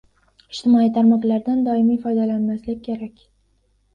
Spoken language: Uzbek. Ijtimoiy tarmoqlardan doimiy foydalanmaslik kerak.